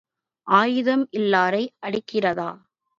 ஆயுதம் இல்லாரை அடிக்கிறதா?